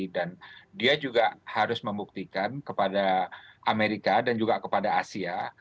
dan dia juga harus membuktikan kepada amerika dan juga kepada asia